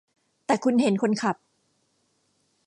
แต่คุณเห็นคนขับ !